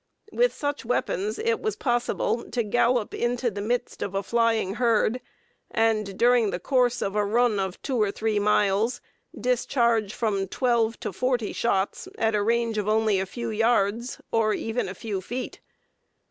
With such weapons, it was possible to gallop into the midst of a flying herd and, during the course of a run of 2 or 3 miles, discharge from twelve to forty shots at a range of only a few yards, or even a few feet.